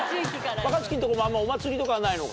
若槻んとこもお祭りとかはないのか？